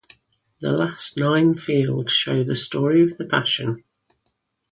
The last nine fields show the Story of the Passion.